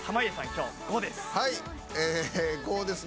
今日「５」です。